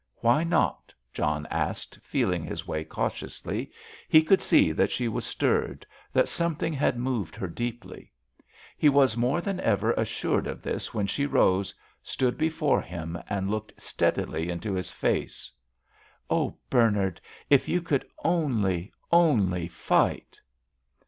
"Why not?" John asked, feeling his way cautiously. He could see that she was stirred, that something had moved her deeply. He was more than ever assured of this when she rose, stood before him, and looked steadily into his face. "Oh! Bernard, if you could only, only fight!"